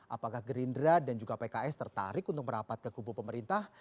apakah gerindra dan juga pks tertarik untuk merapat ke kubu pemerintah